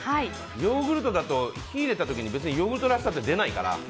ヨーグルトだと、火を入れた時にヨーグルトらしさって出ないから。